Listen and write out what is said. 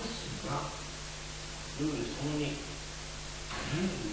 「ルールその二」。